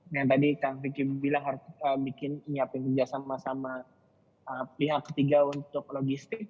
yang tadi kang vicky bilang harus bikin nyiapin kerja sama sama pihak ketiga untuk logistik